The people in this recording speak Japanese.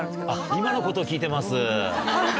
今のことを聞いてます。